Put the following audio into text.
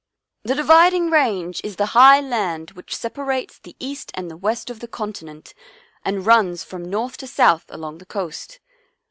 " The Dividing Range is the high land which separates the east and west of the continent and runs from north to south along the coast.